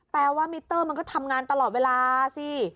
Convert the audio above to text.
มิเตอร์มันก็ทำงานตลอดเวลาสิ